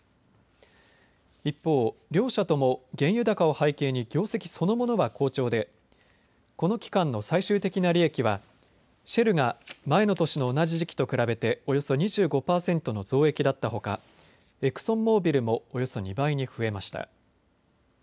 一方、両社とも原油高を背景に業績そのものは好調でこの期間の最終的な利益はシェルが前の年の同じ時期と比べておよそ２５％の増益だったほかエクソンモービルもおよそ２倍に増えました。